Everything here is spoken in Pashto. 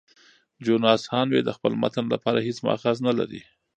جوناس هانوې د خپل متن لپاره هیڅ مأخذ نه لري.